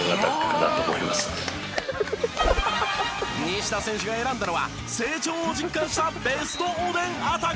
西田選手が選んだのは成長を実感したベストおでんアタックでした！